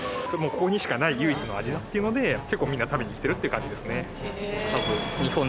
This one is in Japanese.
ここにしかない唯一の味だっていうので結構みんな食べに来てるって感じですね。